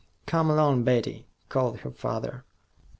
"Come along, Betty," called her father.